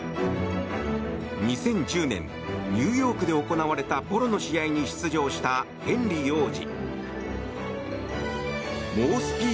２０１０年ニューヨークで行われたポロの試合に出場したヘンリー王子。